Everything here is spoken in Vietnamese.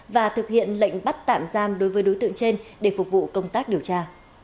và thực hiện lệnh bắt tạm giam đối với đối tượng trên để phục vụ công tác điều tra